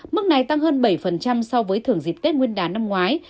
mức này tăng hơn bảy so với thưởng dịp tết nguyên đán năm ngoái